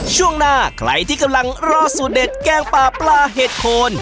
ช่วงหน้าใครที่กำลังรอสูตรเด็ดแกงปลาปลาเห็ดโคน